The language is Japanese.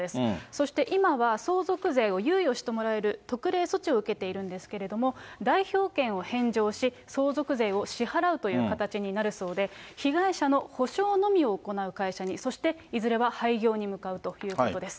そして今は相続税を猶予してもらえる特例措置を受けているんですけれども、代表権を返上し、相続税を支払うという形になるそうで、被害者の補償のみを行う会社に、そして、いずれは廃業に向かうということです。